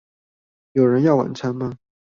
有人要晚餐嗎